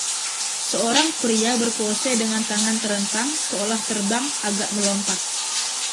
Seorang pria berpose dengan tangan terentang, seolah terbang, agak melompat.